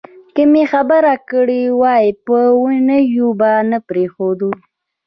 که مې خبر کړي وای په اوونیو به نه پرېښودو.